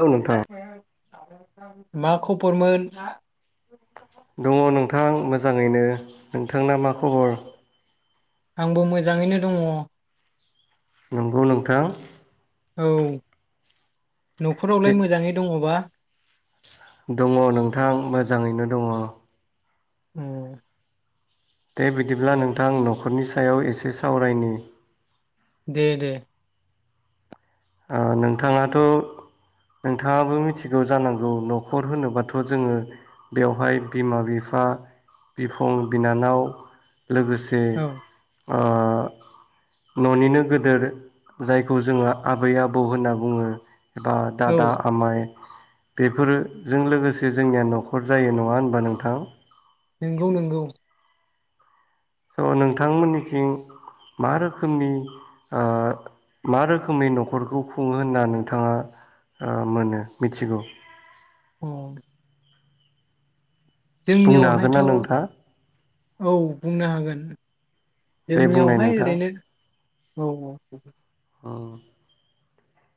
औ नोंथां [unintelligible] मा खबरमोन दङ नोंथां मोजाङैनो नोंथांना मा खबर आंबो मोजाङैनो दङ नंगौ नोंथां। औ दे न'खरावलाय मोजाङै दङबा? दङ नोंथां मोजाङैनो दङ। उम दे बिदिब्ला नोंथां न'खरनि सायाव एसे सावरायनि दे दे नोंथाङाथ' नोंथाङाबो मिथिगौ जानांगौ न'खर होनोबाथ' जोङो बेवहाय बिमा बिफा बिफं बिनानाव लोगोसे औ ओ न'निनो गोदोर जायखौ जोंहा आबै आबौ होनना बुङो एबा औ दादा आमाइ बेफोरोजों लोगोसे जोंनिया न'खर जायो नङा होनबा नोंथां नोंगौ नंगौ स' नोंथांमोननिथिं मा रोखोमनि ओ मा रोखोमनि न'खरखौ खुङो होनना नोंथाङा ओ मोनो मिथिगौ औ बुंनो हागोन जोंनियावहायथ' ना नोंथाङा औ बुंनो हागोन दे बुंनाय जोंनियावहाय नोंथां ओरैनो औ औ औ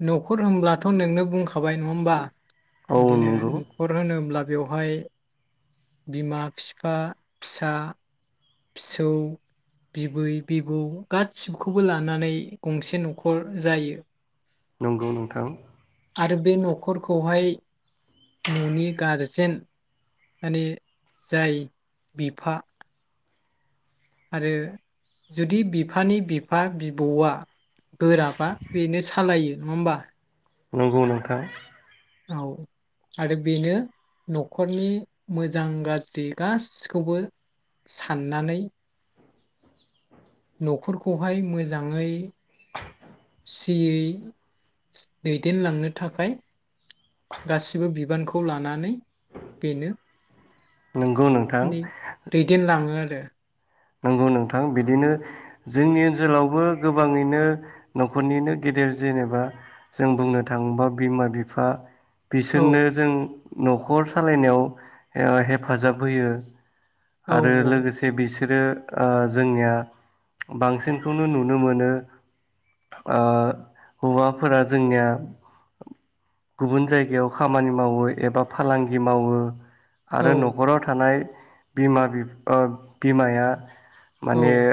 न'खर होनब्लाथ' नोंनो बुंखाबाय नङा होमबा औ बिदिनो नंगौ न'खर होनोब्ला बेवहाय बिमा बिफा फिसा फिसौ बिबै बिबौ गासिखौबो लानानै गंसे न'खर जायो नंगौ नोंथां आरो बे न'खरखौहाय न'नि गारजेन माने जाय बिफा आरो जुदि बिफानि बिफा बिबौआ बोराबा बेनो सालायो नङा होमबा नंगौ नोंथां औ आरो बेनो न'खरनि मोजां गाज्रि गाससिखौबो साननानै न'खरखौहाय मोजाङै सियै दैदेनलांनो थाखाय गासिबो बिबानखौ खौ लानानै बेनो नंगौ नोंथां माने दैदेनलाङो आ ओ नंगौ नोंथां बिदिनो जोंनि ओनसोलावबो गोबाङैनो न'खरनिनो गेदेर जेनेबा जों बुंनो थाङोबा बिमा बिफा औ बिसोरनो जों न'खर सालायनायाव ओ हेफाजाब होयो औ आरो लोगोसे बिस बिसोरो ओ जोंनिया बांसिनखौनो नुनो मोनो ओ हौवाफोरा जोंनिया गुबुन जायगायाव खामानि मावो एबा फालांगि मावो औ आरो न'खराव थानाय बिमा बि ओ बिमाया औ माने ओ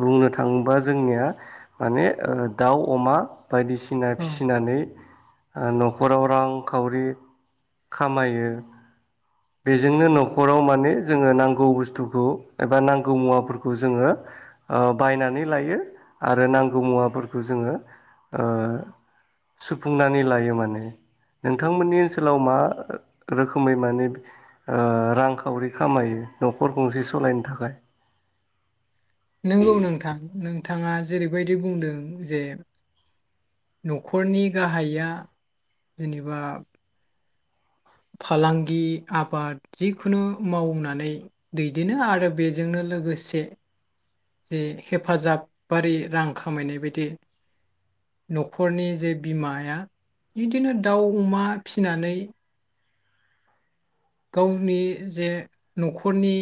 बुंनो थाङोब्ला जोंनिया माने दाउ अमा बायदिसिना औ फिसिनानै ओ न'खराव रांखावरि खामायो बेजोंनो न'खराव माने जोङो नांगौ बुस्थुखौ एबा नांगौ मुवाफोरखौ जोङो ओ बायनानै लायो आरो नांगौ मुवाफोरखौ जोङो ओ सुफुंनानै लायो माने नोंथांमोननि ओनसोलाव मा रोखोमै माने ओ रांखावरि खामायो न'खर गंसे सलायनो थाखाय नंगौ नोंथां नों नोंथाङा जेरैबायदि बुंदों जे न'खरनि गाहाया जेनेबा फालांगि आबाद जिखुनु मावनानै दैदेनो आरो बेजोंनो लोगोसे जे हेफाजाबारि रां खामायनाय बायदि न'खरनि जे बिमाया बिदिनो दाउ अमा फिनानै गावनि जे न'खरनि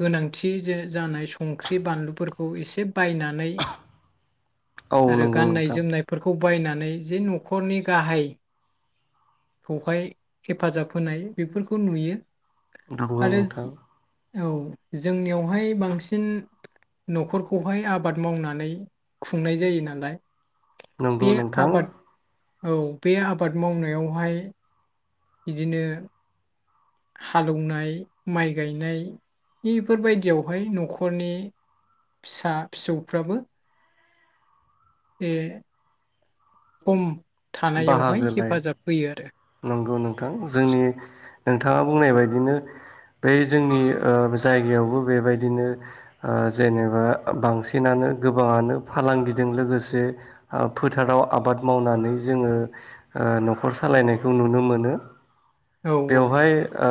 गोनांथि जे जानाय संख्रि बानलुफोरखौ एसे बायनानै औ आरो नंगौ गाननाय नोंथां जोमनायफोरखौ बायनानै जे न'खरनि गाहाय खौहाय हेफाजाब होनाय बेफोरखौ नुयो नंगौ आरो नोंथां औ जोंनियावहाय बांसिन न'खरखौहाय आबाद मावनानै खुंनाय जायो नालाय बे नंगौ नोंथां। आबाद औ बे आबाद मावनायाव हाय बिदिनो हालौनाय माइ गायनाय इफोरबायदियावहाय न'खरनि फिसा फिसौफ्राबो ए खम थानायावहाय हेफाजाब होयो आरो नौ नोंथां जोंनि नोंथाङा बुंनाय बायदिनो बै जोंनि जायगायावबो बेबायदिनो जेनेबा बांसिनानो गोबाङानो फालांगिजों लोगोसे ओ फोथाराव आबाद मावनानै जोङो ओ न'खर सालायनाय जों नुनो मोनो। औ औ बेवहाय ओ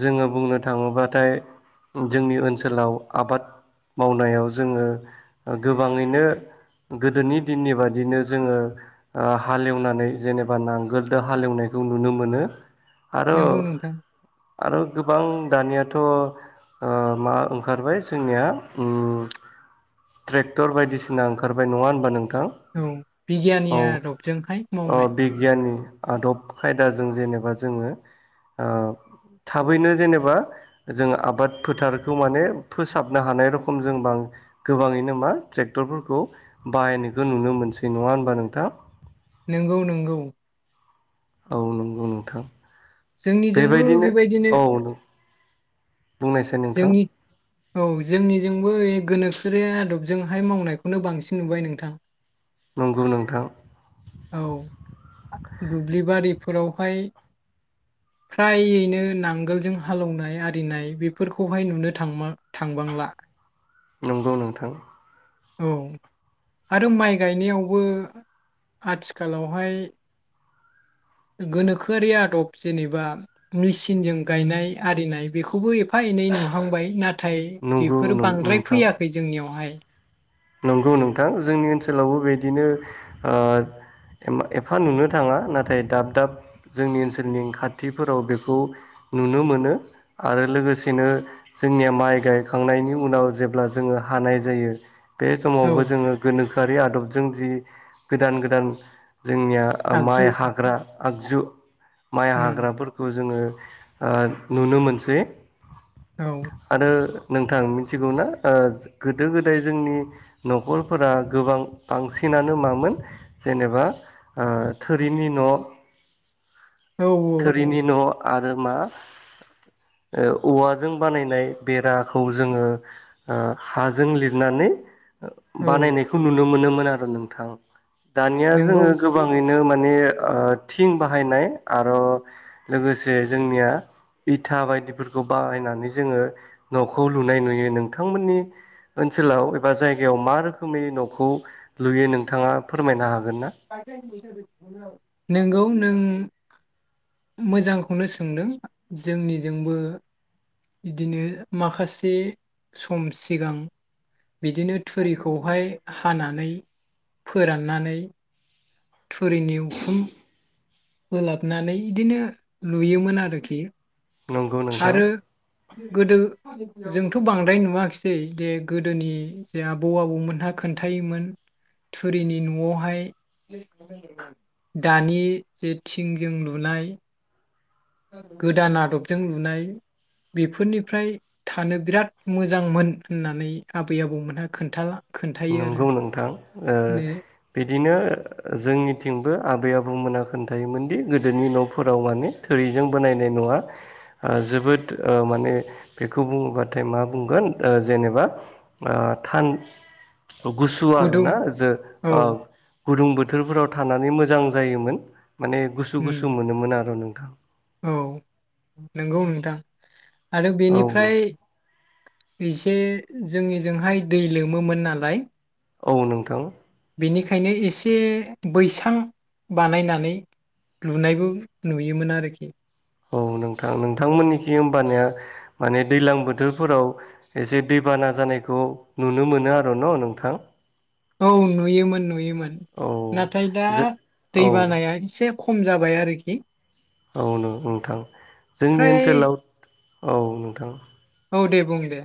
जोङो बुंनो थाङोब्लाथाय जोंनि ओनसोलाव आबाद मावनायाव जोङो गोबाङैनो गोदोनि दिननि बादिनो जोङो ओ हालेवनानै जेनेबा नांगोल दो हालेवनायखौ नुनो मोनो। आरो नंगौ नोंथां आरो गोबां दानियाथ' ओ मा ओंखारबाय जोंनिया उम ट्रेक्टर बायदिसिना ओंखारबाय नङा होनबा नों औ बिगियानि आदबजोंहाय अ मावनाय बिगियाननि आदब खायदाजों जेनेबा जोङो ओ थाबैनो जेनेबा जोंङो आबाद फोथारखौ माने फोसाबनो हानाय रखम जों बा गोबाङैनो मा ट्रेक्टरफोरखौ बाहायनायखौ नुनो मोनसै नङा होनबा नोंथां? नोंगौ नोंगौ औ नंगौ नोंथां जोंनिजोंबो बेबायदिनो बुंनायसै नोंथां जोंनि औ जोंनिजोंबो ओइ गोनो फोरिया आदबजोंहाय मावनायखौनो बांसिन नुबाय नोंथां। नंगौ नोंथां औ दुब्लि बारिफोरावहाय फ्रायैनो नांगोलजों हालेवनाय आरिनाय बेफोरखौहाय नुनो थांमार थांबांला नंगौ नोंथां औ आरो माइ गायनायावबो आथिखालावहाय गोनोखोआरि आदब जेनेबा मेचिनजों गायनाय आरिनाय बेखौबो एफा एनै नुहांबाय नाथाय नाथाय नंगौ बेफोरो बांद्राय नोंथां फैयाखै जोंनियावहाय नंगौ नोंथां जोंनि ओनसोलावबो बेबायदिनो ओ एफा नुनो थाङा नाथाय दाब दाब जोंनि ओनसोलनि खाथिफोराव बेखौ नुनो मोनो आरो लोगोसेनो जोंनिया माइ गायखांनायनि उनाव जेब्ला जोङो हानाय जायो बे औ समावबो जोङो गोनोखो आरि आदबजों जि गोदान गोदान जोंनिया ओ आगजु माइ हाग्रा आगजु माइ उम हाग्राफोरखौ जोङो ओ नुनो मोनसै औ आरो नोंथां मिथिगौना अ गोदो गोदाय जोंनि न'खरफोरा गोबां बांसिनानो मामोन जेनेबा अ थोरिनि न' औ औ थोरिनि न' आरो मा ओ औवाजों बानायनाय बेराखौ जोङो ओ हाजों लिरनानै औ बानायनायखौ नुनो मोनोमोन आरो नोंथां दानिया जोङो नंगौ गोबाङैनो माने अ थिं बाहायनाय आरो लोगोसे जोंनिया इथा बायदिफोरखौ बाहायनानै जोङो न'खौ लुनाय नुयो नोंथांमोननि ओनसोलाव एबा जायगायाव मा रोखोमै न'खौ लुयो नोंथाङा फोरमायनो हा [unintelligible] नोंगौ नों मोजांखौनो सोंदों जोंनिजोंबो बिदिनो माखासे सम सिगां बिदिनो थुरिखौहाय हानानै फोराननानै थुरिनि उखुम फोलाबनानै बिदिनो लुयोमोन आरोखि नंगौ नोंथां। आरो गोदो जोंथ' बांद्राय नुवाखिसै जे गोदोनि जे आबौ आबौमोनहा खोन्थायोमोन थुरिनि न'आवहाय दानि जे थिंजों लुनाय गोदान आदबजों लुनाय बेफोरनिफ्राय थानो बिराद मोजांमोन होननानै आबै आबौमोनहा खोनथाला नंगौ नोंथां ओ बि बिदिनो जोंनिथिंबो आबै आबौमोना खोन्थायोमोनदि गोदोनि न'फोराव माने थोरिजों बानायनाय न'आ आह जोबोद अ माने बेखौ बुङोबाथाय मा बुंगोन आह जेनेबा अ थान गुसु गुदुं आरोना जे औ ओह गुदुं बोथोरफोराव थानानै मोजां जायोमोन। माने गुसु गुसु उम मोनोमोन आरो नों औ नंगौ नोंथां आरो औ बेनिफ्राय एसे जोंनिजोंहाय दै लोमोमोन नालाय औ नोंथां बेनिखायनो एसे बैसां बानायनानै लुनायबो नुयोमोन आरोखि औ नोंथां नोंथांमोननिखि होमबानिया माने दै्लां बोथोरफोराव एसे दैबाना जानायखौ नुनो मोनो आरो न' नोंथां औ नुयोमोन नुयोमोन औ नाथाय दा जो औ दै बानाया एसे खम जाबाय आरोखि। औ नो नोंथां जोंनि फ्राय ओनसोलाव औ नोंथां औ दे बुं दे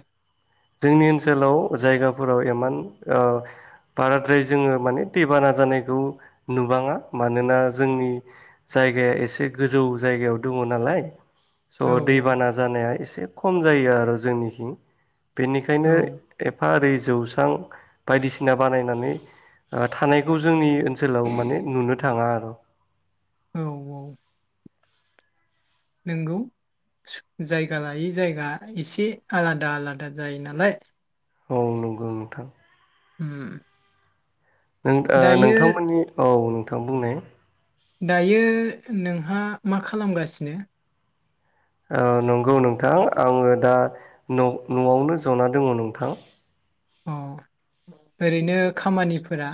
जोंनि ओनसोलाव जायगाफोराव इमान ओह बाराद्राय जोङो माने दैबाना जानायखौ नोबाङा मानोना जोंनि जायगाया एसे गोजौ जायगायाव दङ नालाय औ स' दैबाना जानाया एसे खम जायो आरो जोंनिथिं। बेनिखायनो औ एफा ओरै जौस्रां बायदिसिना बानायनानै थानायखौ जोंनि ओनसोलाव माने नुनो थाङा आरो। औ औ नोंगौ जायगा लायै जायगा एसे आलादा आलादा जायो नालाय औ नंगौ नोंथां उम नों ओ दायो नोंथांमोननि औ बेखौ बुंनाय दायो नोंहा मा खालामगासिनो? ओ नंगौ नोंथां आङो दा न'-न'आवनो जना दङ नोंथां अ ओरैनो खामानिफोरा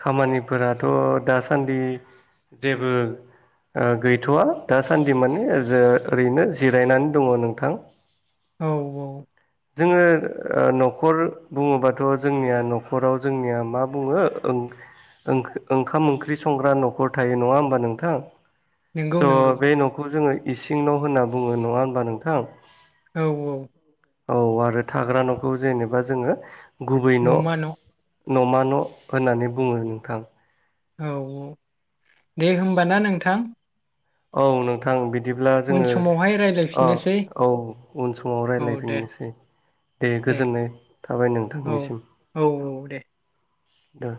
खामानिफोराथ' दासान्दि जेबो ओ गैथ'वा दासान्दि माने ओरैनो जिरायनानै दङ नोंथां। औ औ जोङो न'खर बुङोबाथ' जोंनिया न'खराव जोंनिया मा बुङो ओं ओंखाम ओंख्रि संग्रा न'खर थायो नङा होमबा नोंथां नंगौ स' नंगौ बे न'खौ जोङो इसिं न' होनना बुङो नङा होमबा नोंथां? औ औ औ आरो थाग्रा न'खौ जेनेबा जोङो गुबै न' न'मा न' होननानै बुङो नोंथां। औ औ दे होमबा ना नोंथां! औ नोंथां बिदि बिदिब्ला उन जोङो समावहाय ओ रायज्लायफिननोसै औ उन समाव औ दे रायज्लायफिननोसै दे गोजोननाय थाबाय औ नोंथांनिसिम। औ दे दा